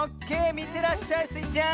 みてらっしゃいスイちゃん！